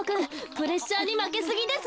プレッシャーにまけすぎです。